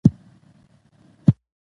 د شفافیت نشتوالی شک پیدا کوي